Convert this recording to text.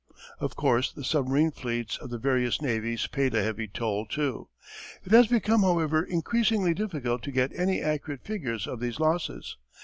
Of course, the submarine fleets of the various navies paid a heavy toll too. It has become, however, increasingly difficult to get any accurate figures of these losses.